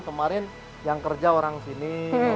kemarin yang kerja orang sini